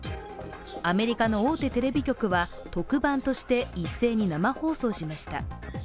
アメリカの大手テレビ局は特番として一斉に生放送しました。